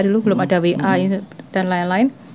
dulu belum ada wa dan lain lain